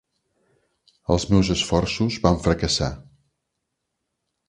Els meus esforços van fracassar.